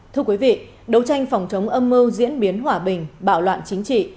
thưa quý vị đấu tranh phòng chống âm mưu diễn biến hòa bình bạo loạn chính trị